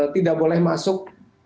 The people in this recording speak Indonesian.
tidak boleh masuk